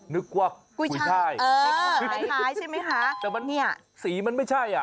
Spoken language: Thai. นึกว่ากุยชายเออกุยชายใช่ไหมคะเนี่ยสีมันไม่ใช่อ่ะ